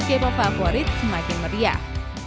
k pop favorit semakin meriah